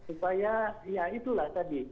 supaya ya itulah tadi